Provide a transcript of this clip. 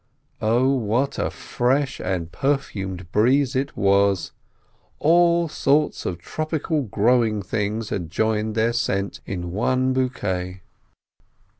Oh, what a fresh and perfumed breeze it was! All sorts of tropical growing things had joined their scent in one bouquet.